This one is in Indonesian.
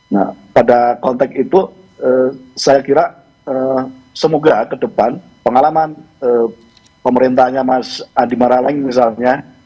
nah pada konteks itu eee saya kira eee semoga kedepan pengalaman eee pemerintahnya mas andi maraleng misalnya